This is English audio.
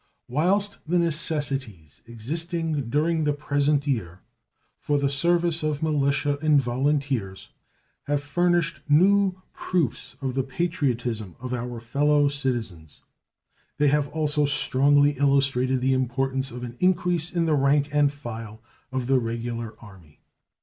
Whilst the necessities existing during the present year for the service of militia and volunteers have furnished new proofs of the patriotism of our fellow citizens, they have also strongly illustrated the importance of an increase in the rank and file of the Regular Army.